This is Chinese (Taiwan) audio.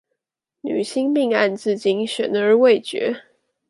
女星命案至今懸而未決